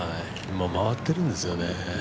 今、回ってるんですよね。